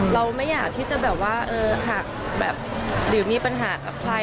เราไม่อยากที่จะหากหรือมีปัญหากับใคร